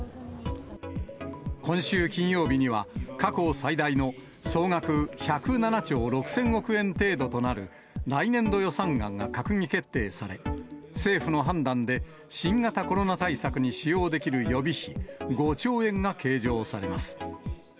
今週金曜日には、過去最大の総額１０７兆６０００億円程度となる来年度予算案が閣議決定され、政府の判断で、新型コロナ対策に使用できる予備費５兆円が計上されます。